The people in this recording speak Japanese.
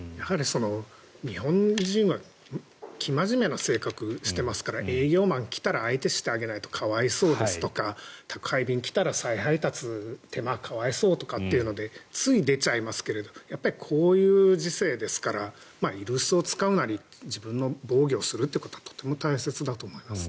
日本人は生真面目な性格をしていますから営業マンが来たら相手をしてあげないと可哀想ですとか宅配便が来たら再配達、手間可哀想とかつい出ちゃいますけどこういうご時世ですから居留守を使うなり自分の防御をするってことはとても大切だと思います。